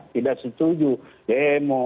tidak setuju demo